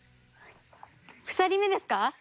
２人目ですか？